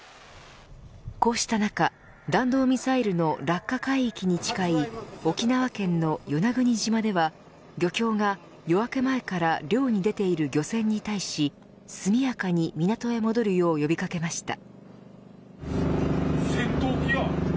こうした中弾道ミサイルの落下海域に近い沖縄県の与那国島では漁協が夜明け前から漁に出ている漁船に対し速やかに港へ戻るよう呼び掛けました。